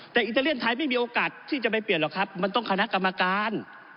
แต่อิตาเลียนไทยไม่มีโอกาสที่จะไปเปลี่ยนหรอกครับมันต้องคณะกรรมการ